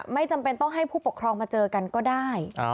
ไม่จำเป็นต้องให้ผู้ปกครองมาเจอกันก็ได้